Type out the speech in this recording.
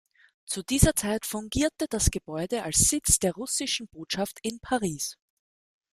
Zu dieser Zeit fungierte das Gebäude als Sitz der Russischen Botschaft in Paris.